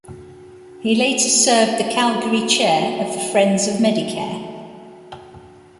He later served the Calgary chair of the Friends of Medicare.